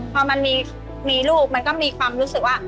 พอมันมีลูกมันก็มีความรู้สึกว่า